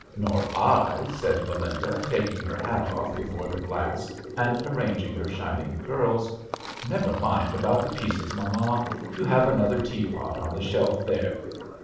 " Nor I," said Belinda, taking her hat off before the glass and arranging her shining curls. "Never mind about the pieces, mamma; you have another tea pot on the shelf there."